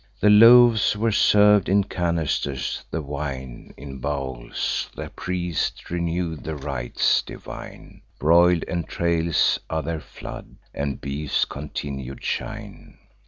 The loaves were serv'd in canisters; the wine In bowls; the priest renew'd the rites divine: Broil'd entrails are their food, and beef's continued chine.